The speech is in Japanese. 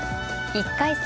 １回戦